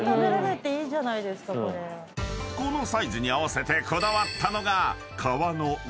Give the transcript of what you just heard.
［このサイズに合わせてこだわったのが］